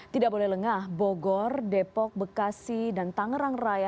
tidak boleh lengah bogor depok bekasi dan tangerang raya